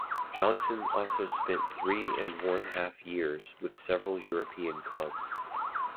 Johnson also spent three-and-one-half years with several European clubs.